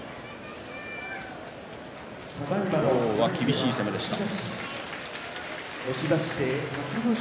今日は厳しい攻めでした。